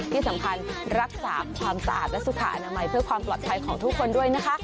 ที่สำคัญรักษาความสะอาดและสุขอนามัยเพื่อความปลอดภัยของทุกคนด้วยนะคะ